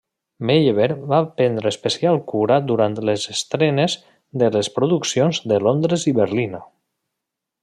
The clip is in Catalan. Meyerbeer va prendre especial cura durant les estrenes de les produccions de Londres i Berlín.